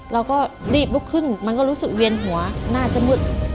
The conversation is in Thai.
เราก็รีบลุกขึ้นมันก็รู้สึกเวียนหัวน่าจะมืด